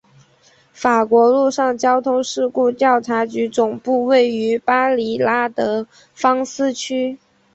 法国陆上交通事故调查局总部位于巴黎拉德芳斯区。